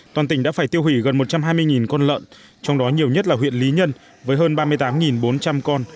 toàn tỉnh đã phải tiêu hủy gần một trăm hai mươi con lợn trong đó nhiều nhất là huyện lý nhân với hơn ba mươi tám bốn trăm linh con